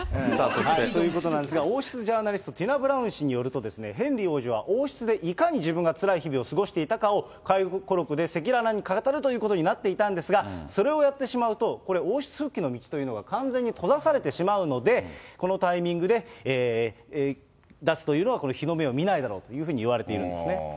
ということなんですが、王室ジャーナリスト、ティナ・ブラウン氏によると、ヘンリー王子は王室でいかに自分がつらい日々を過ごしていたかを、回顧録で赤裸々に語るということになっていたんですが、それをやってしまうと、これ、王室復帰の道が完全に閉ざされてしまうので、このタイミングで出すというのは日の目を見ないだろうというふうにいわれているんですね。